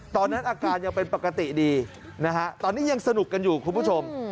ตอนนั้นอาการยังเป็นปกติดีนะฮะตอนนี้ยังสนุกกันอยู่คุณผู้ชม